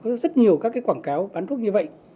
có rất nhiều các cái quảng cáo bán thuốc như vậy